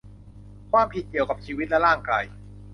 ความผิดเกี่ยวกับชีวิตและร่างกาย